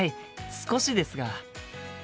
少しですが。